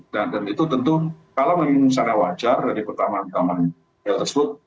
dan itu tentu kalau memang wajar dari pertambahan pertambahan yang tersebut